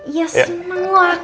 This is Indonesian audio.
iya seneng lah kak